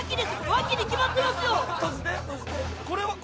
ワキに決まってますよ